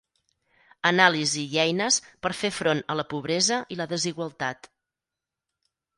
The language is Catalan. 'Anàlisi i eines per fer front a la pobresa i la desigualtat'